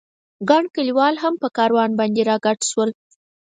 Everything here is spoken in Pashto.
ګڼ کلیوال هم په کاروان باندې را ګډ شول.